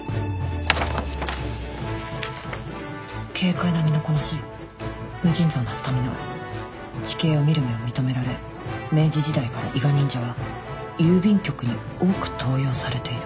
「軽快な身のこなし無尽蔵なスタミナ地形を見る目を認められ明治時代から伊賀忍者は郵便局に多く登用されている」